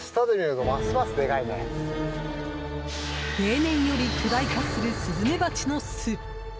例年より巨大化するスズメバチの巣。